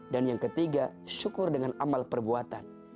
dan yang ketiga syukur dengan amal perbuatan